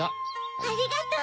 ありがとう。